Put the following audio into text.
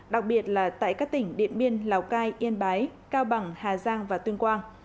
đặc biệt là tại các tỉnh điện biên lào cai yên bái cao bằng hà giang và tuyên quang